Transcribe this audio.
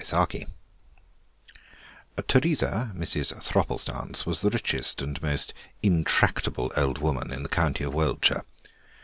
THE ELK Teresa, Mrs. Thropplestance, was the richest and most intractable old woman in the county of Woldshire.